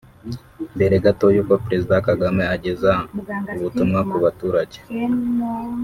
Mbere gato y’uko Perezida Kagame ageza ubutumwa ku baturage